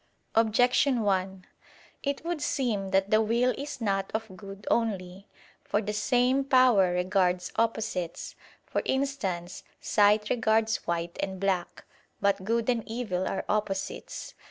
Objection 1: It would seem that the will is not of good only. For the same power regards opposites; for instance, sight regards white and black. But good and evil are opposites.